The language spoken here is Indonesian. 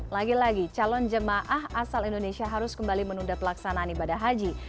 lagi lagi calon jemaah asal indonesia harus kembali menunda pelaksanaan ibadah haji